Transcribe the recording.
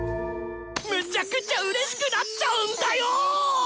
めちゃくちゃうれしくなっちゃうんだよぉ！